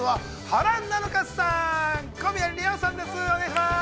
お願いします。